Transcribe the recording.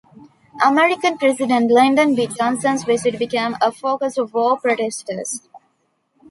American President Lyndon B. Johnson's visit became a focus of war protesters.